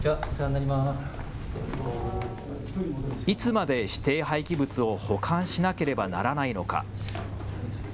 いつまで指定廃棄物を保管しなければならないのか。